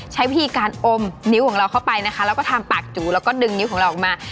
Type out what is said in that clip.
ใช้วิธีการอมนิ้วของเราเข้าไปนะคะแล้วก็ทำปากจูแล้วก็ดึงนิ้วของเราออกมา